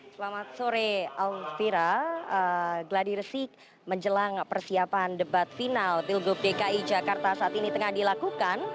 selamat sore alvira gladir sik menjelang persiapan debat final pilgub dki jakarta saat ini tengah dilakukan